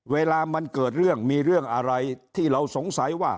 เวลามันเกิดเรื่องมีเรื่องอะไรที่เราสงสัยว่า